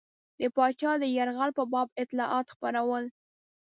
د پاچا د یرغل په باب اطلاعات خپرول.